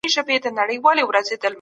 اقتصادي وده یوازي په پیسو نه راځي.